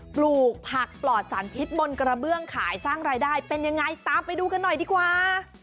ปลูกผักปลอดสารพิษบนกระเบื้องขายสร้างรายได้เป็นยังไงตามไปดูกันหน่อยดีกว่า